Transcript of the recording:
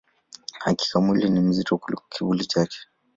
Hakika, mwili ni mzito kuliko kivuli chake.